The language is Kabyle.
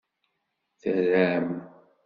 Terram.